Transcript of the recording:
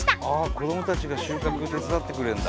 子どもたちが収穫手伝ってくれるんだ。